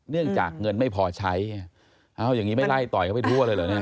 เนื่องจากเงินไม่พอใช้อย่างนี้ไม่ไล่ต่อยเข้าไปทั่วเลยเหรอเนี่ย